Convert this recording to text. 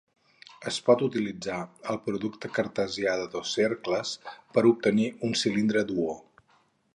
Es pot utilitzar el producte cartesià de dos cercles per obtenir un cilindre duo.